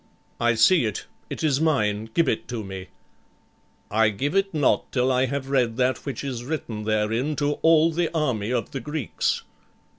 "I see it: it is mine. Give it to me." "I give it not till I have read that which is written therein to all the army of the Greeks."